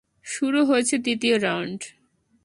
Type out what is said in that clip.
শুরু হয়েছে দ্বিতীয় রাউন্ড।